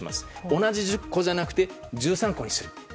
同じ１０個じゃなくて１３個にする。